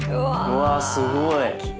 うわっすごい。